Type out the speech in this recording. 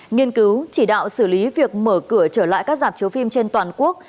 nghiên cứu chỉ đạo xử lý việc mở cửa trở lại các giảm chiếu phim trên toàn quốc